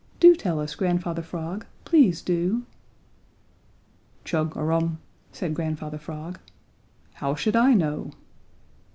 Do tell us, Grandfather Frog. Please do!" "Chug a rum," said Grandfather Frog. "How should I know?"